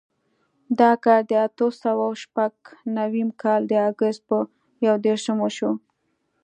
دا کار د اتو سوو شپږ نوېم کال د اګست په یودېرشم وشو.